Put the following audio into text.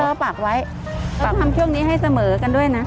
แล้วเราปักไว้แล้วทำช่วงนี้ให้เสมอกันด้วยนะ